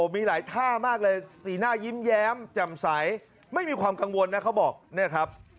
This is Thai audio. มีหลายท่ามากเลยสีหน้ายิ้มแย้มแจ่มใสไม่มีความกังวลนะเขาบอกเนี่ยครับ